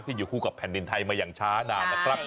อยู่คู่กับแผ่นดินไทยมาอย่างช้านานนะครับ